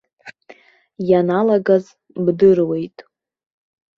Ианалагаз бдыруеит.